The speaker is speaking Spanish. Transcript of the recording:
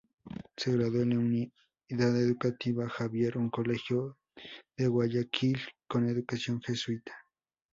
Se graduó en la Unidad Educativa Javier, un colegio de Guayaquil con educación jesuita.